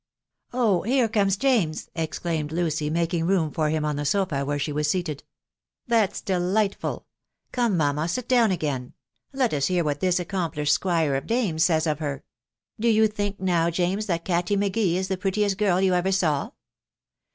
" Oh ! here comes James," exclaimed Lucy, making room for him on the sofa where she was seated. " That's delight ful ! Come, mamma, sit down again .... let us hear what this accomplished squire of dames says of her. ... Do you think, now, James, that Kattie M'Gee is the prettiest girl you ever saw